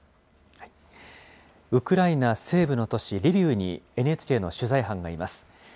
ウクライナ西部の都市リビウに、ＮＨＫの取材班がいます。